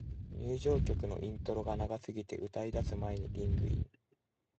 入場曲のイントロが長すぎて、歌い出す前にリングイン